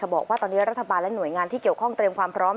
บอกว่าตอนนี้รัฐบาลและหน่วยงานที่เกี่ยวข้องเตรียมความพร้อม